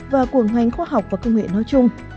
và của ngành khoa học và công nghệ nói chung